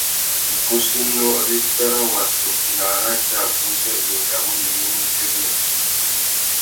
Igussénô râ ipwê râ watu na arratê abú zê i engamú nuyumú nu téréména.